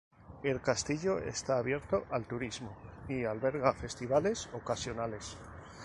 El castillo está abierto al turismo, y alberga festivales ocasionales.